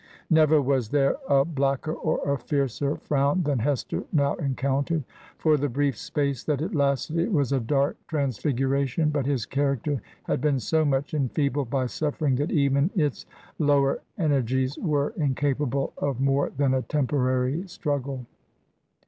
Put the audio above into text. Never was there a blacker or a fiercer frown than Hester now encountered. For the brief space that it lasted, it was a dark trans figuration. But his character had been so much en feebled by suflFering, that even its lower energies were incapable of more than a temporary struggle.